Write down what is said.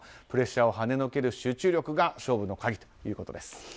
プレッシャーをはねのける集中力が勝負の鍵ということです。